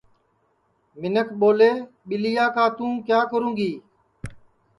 منکھ ٻولے ٻیلیا کا توں کیا کرو گی